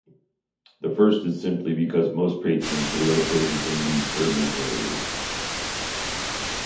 The first is simply because most patrons were located in these urban areas.